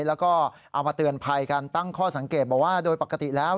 แล้วก็เอามาเตือนภัยกันตั้งข้อสังเกตบอกว่าโดยปกติแล้ว